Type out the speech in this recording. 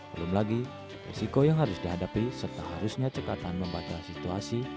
belum lagi resiko yang harus dihadapi serta harusnya cekatan membatasi situasi